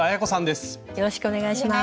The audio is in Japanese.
よろしくお願いします。